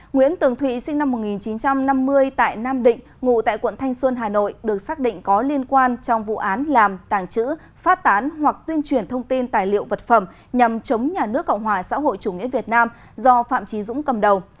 nguyễn tường thụy sinh năm một nghìn chín trăm năm mươi tại nam định ngụ tại quận thanh xuân hà nội được xác định có liên quan trong vụ án làm tàng trữ phát tán hoặc tuyên truyền thông tin tài liệu vật phẩm nhằm chống nhà nước cộng hòa xã hội chủ nghĩa việt nam do phạm trí dũng cầm đầu